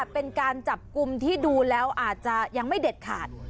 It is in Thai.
เป็นการจับกลุ่มที่ดูแล้วอาจจะยังไม่เด็ดขาด